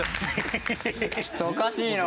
ちょっとおかしいなあ。